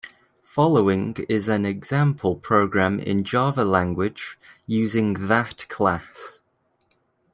Following is an example program in Java language, using that class.